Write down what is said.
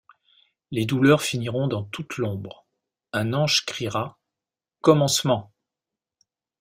Les douleurs finiront dans toute l’ombre ; un angeCriera: Commencement!